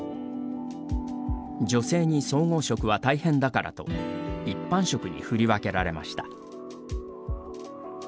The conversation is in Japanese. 女性に総合職は大変だからと一般職に振り分けられました。